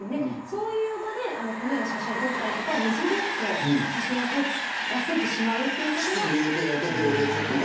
そういう場で写真を撮ったり寝そべって写真を撮ってしまうということは。